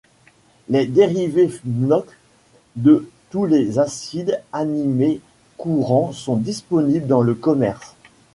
Les dérivés Fmoc de tous les acides aminés courants sont disponibles dans le commerce.